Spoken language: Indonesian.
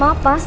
tunggu di sini